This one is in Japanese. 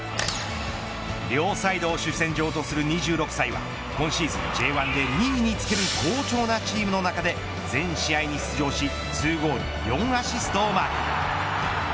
両サイドを主戦場とする２６歳は今シーズン、Ｊ１で２位につける好調なチームの中で全試合に出場し２ゴール４アシストをマーク。